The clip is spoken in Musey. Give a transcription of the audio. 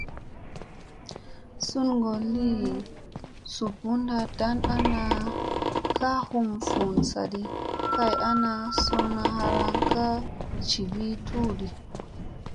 Sungolli su bunɗa dan ana ka hum vun sadi kay ana, suuna halaŋgi ka jivi tuudi.